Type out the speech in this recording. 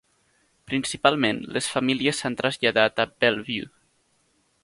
Principalment, les famílies s'han traslladat a Bellevue.